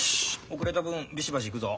遅れた分ビシバシいくぞ。